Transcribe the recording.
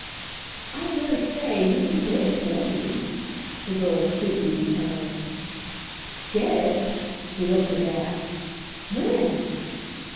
"I dare say we could get it for you," the girl weetly returned. "Get it?"—he looked aghast. "When?"